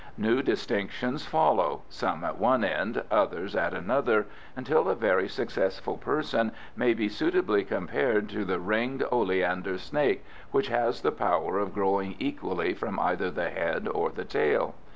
New distinctions follow, some at one end, others at another, until a very successful person may be suitably compared to the ringed oleander snake, which has the power of growing equally from either the head or the tail.